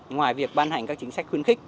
ngoài việc ban hành các chính sách khuyến khích